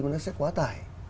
nó sẽ quá tải